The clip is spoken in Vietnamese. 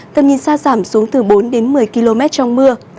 tầm nhìn xa giảm xuống từ bốn đến một mươi km trong mưa